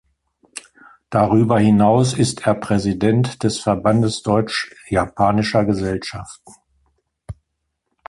Darüber hinaus ist er Präsident des Verbandes Deutsch-Japanischer Gesellschaften.